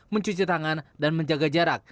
mencuci tangan dan menjaga jarak